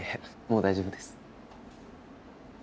もう大丈夫です。